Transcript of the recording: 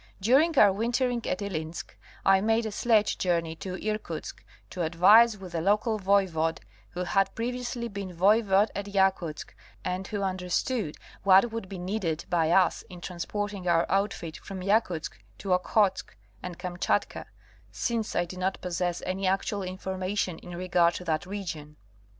During our wintering at Ilimsk I made a sledge journey to Irkutsk to advise with the local Voivod who had previously been Voivod at Ya kutsk and who understood what would be needed by us in trans porting our outfit from Yakutsk to Okhotsk and Kamchatka, since I did not possess any actual information in regard to that region.